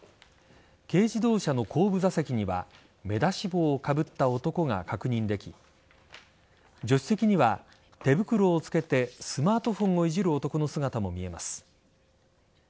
軽自動車の後部座席には目出し帽をかぶった男が確認でき助手席には手袋を着けてスマートフォンをいじる男の姿も見えます。